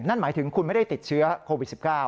นั่นหมายถึงคุณไม่ได้ติดเชื้อโควิด๑๙